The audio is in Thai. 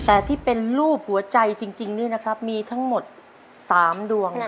แต่ที่เป็นรูปหัวใจจริงนี่นะครับมีทั้งหมด๓ดวง